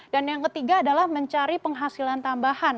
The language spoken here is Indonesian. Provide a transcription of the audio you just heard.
dan yang ketiga adalah mencari penghasilan tambahan